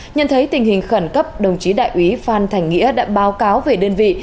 nhận thấy tình hình khẩn cấp đồng chí đại úy phan thành nghĩa đã báo cáo về đơn vị